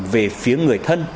về phía người thân